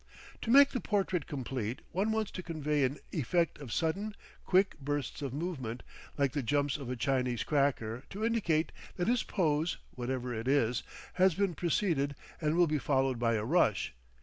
To make the portrait complete one wants to convey an effect of sudden, quick bursts of movement like the jumps of a Chinese cracker to indicate that his pose whatever it is, has been preceded and will be followed by a rush.